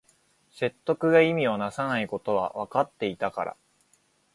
説得が意味をなさないことはわかっていたから